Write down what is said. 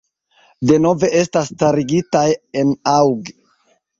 Denove estas starigitaj en aŭg.